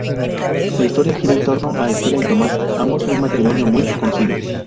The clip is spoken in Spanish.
La historia gira en torno a Estela y Tomás ambos un matrimonio muy reconocido.